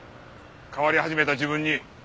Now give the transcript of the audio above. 変わり始めた自分に。